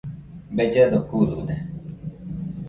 Bellado kurude